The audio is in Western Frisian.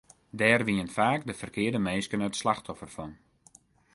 Dêr wienen faak de ferkearde minsken it slachtoffer fan.